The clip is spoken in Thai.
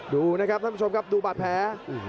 ดูนะครับท่านผู้ชมครับดูบาดแผล